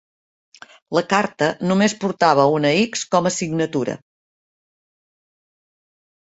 La carta només portava una x com a signatura.